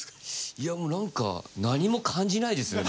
いやもう何か何も感じないですね